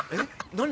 何？